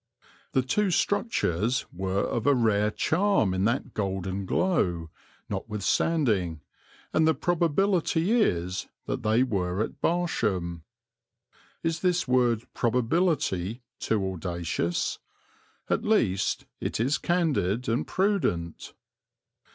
The two structures were of a rare charm in that golden glow, notwithstanding, and the probability is that they were at Barsham. Is this word "probability" too audacious? At least, it is candid and prudent.